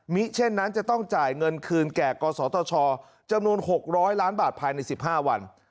เช่นนั้นจะต้องจ่ายเงินคืนแก่กศธชจำนวน๖๐๐ล้านบาทภายใน๑๕วัน